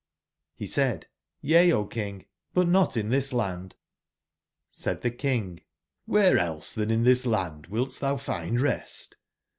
''^ He said: ^ca,0 King; but not in this land/' Said the King: ''Sibere else than in tbis land wilt thou find rest?